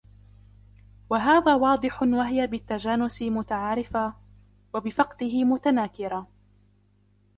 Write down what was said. وَهَذَا وَاضِحٌ وَهِيَ بِالتَّجَانُسِ مُتَعَارِفَةٌ ، وَبِفَقْدِهِ مُتَنَاكِرَةٌ